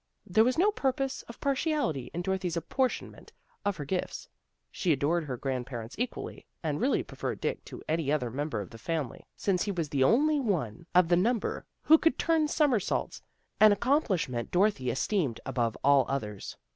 There was no purpose of partiality in Dorothy's apportionment of her gifts. She adored her grandparents equally, and really preferred Dick to any other member of the family, since he was the only one of the 183 184 THE GIRLS OF FRIENDLY TERRACE number who could turn somersaults, an accom plishment Dorothy esteemed above all others.